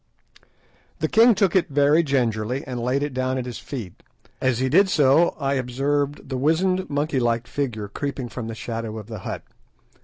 The king took it very gingerly, and laid it down at his feet. As he did so I observed the wizened monkey like figure creeping from the shadow of the hut.